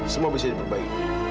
semua bisa diperbaiki